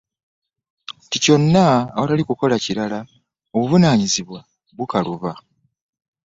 Nti kyonna awatali kukola kirala n'obuvunaanyizibwa bukaluba.